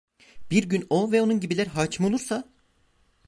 Bir gün o ve onun gibiler hakim olursa…